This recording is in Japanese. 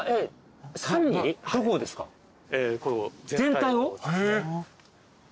全体を？